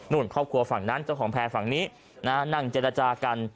ครอบครัวฝั่งนั้นเจ้าของแพร่ฝั่งนี้นั่งเจรจากัน